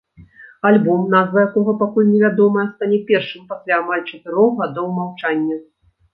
Альбом, назва якога пакуль невядомая, стане першым пасля амаль чатырох гадоў маўчання.